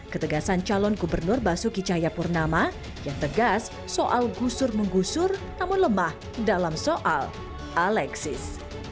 ketegasan calon gubernur basuki cahayapurnama yang tegas soal gusur menggusur namun lemah dalam soal alexis